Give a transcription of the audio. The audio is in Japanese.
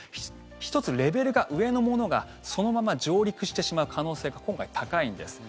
１つレベルが上のものがそのまま上陸してしまう可能性が今回、高いんです。